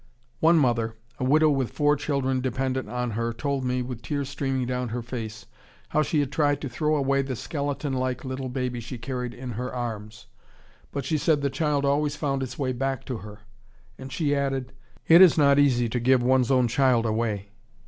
One mother, a widow with four children dependent on her, told me, with tears streaming down her face, how she had tried to throw away the skeleton like little baby she carried in her arms, but she said the child always found its way back to her, and she added, "It is not easy to give one's own child away."